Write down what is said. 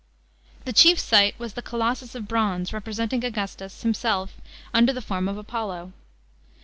The chief sight was the colossus of bronze representing Augustus himself under the form of Apollo.